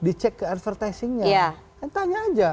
dicek ke advertisingnya kan tanya aja